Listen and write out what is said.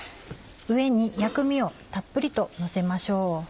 上に薬味をたっぷりとのせましょう。